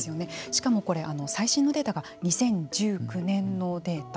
しかも、これ最新のデータが２０１９年のデータ。